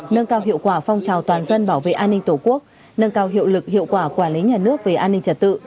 nâng cao hiệu quả phong trào toàn dân bảo vệ an ninh tổ quốc nâng cao hiệu lực hiệu quả quản lý nhà nước về an ninh trật tự